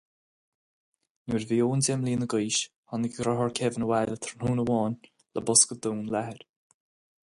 Nuair a bhí Eoin deich mbliana d'aois, tháinig a dheartháir Kevin abhaile tráthnóna amháin le bosca donn leathair.